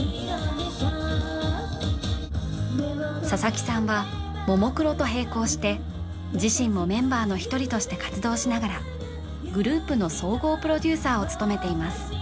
佐々木さんはももクロと並行して自身もメンバーの一人として活動しながらグループの総合プロデューサーを務めています